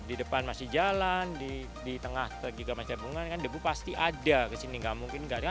di depan masih jalan di tengah juga masih ada pembangunan kan debu pasti ada kesini gak mungkin gak